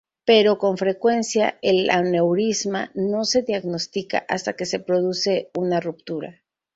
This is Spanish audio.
Pero con frecuencia el aneurisma no se diagnostica hasta que se produce una ruptura.